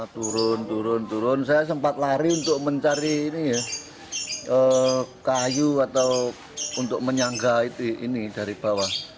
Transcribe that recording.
turun turun turun saya sempat lari untuk mencari kayu atau untuk menyangga ini dari bawah